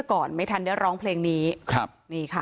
เพลงที่สุดท้ายเสียเต้ยมาเสียชีวิตค่ะ